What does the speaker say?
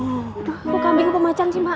tuh kok kambingnya pemacan sih mbak